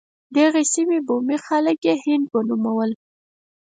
دغې سیمې بومي خلک یې هند ونومول.